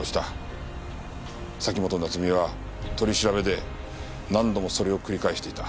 崎本菜津美は取り調べで何度もそれを繰り返していた。